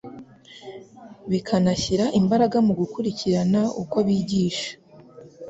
bikanashyira imbaraga mu gukurikirana uko bigisha